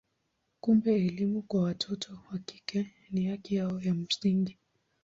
Kumbe elimu kwa watoto wa kike ni haki yao ya msingi.